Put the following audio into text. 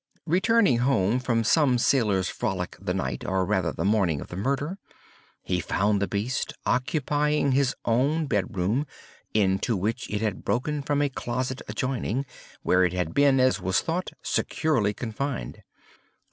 Returning home from some sailors' frolic the night, or rather in the morning of the murder, he found the beast occupying his own bed room, into which it had broken from a closet adjoining, where it had been, as was thought, securely confined.